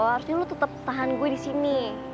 harusnya lu tetap tahan gue disini